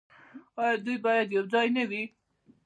آیا دوی باید یوځای نه وي؟